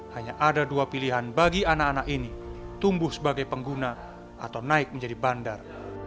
hanya ada dua pilihan bagi anak anak ini tumbuh sebagai pengguna atau naik menjadi bandar